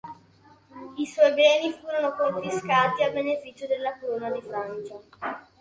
I suoi beni furono confiscati a beneficio della Corona di Francia.